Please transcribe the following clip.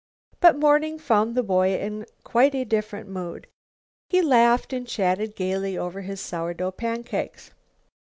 But morning found the boy in quite a different mood. He laughed and chatted gayly over his sour dough pancakes.